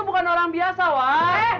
bukan orang biasa you